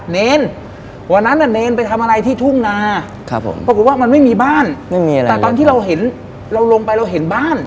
เนรนวันนั้นเนรนไปทำอะไรที่ทุ่งนาปรากฏว่ามันไม่มีบ้านแต่ตอนที่เราลงไปเราเห็นบ้าน